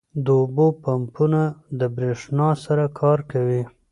• د اوبو پمپونه د برېښنا سره کار کوي.